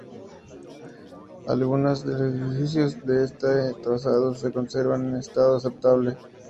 Algunas de los edificios de este trazado se conservan en estado aceptable.